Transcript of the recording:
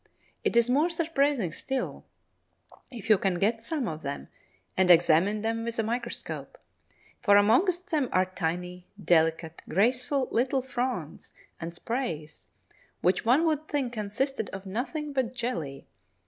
It is more surprising still if you can get some of them and examine them with a microscope, for amongst them are tiny, delicate, graceful little fronds and sprays which one would think consisted of nothing but jelly.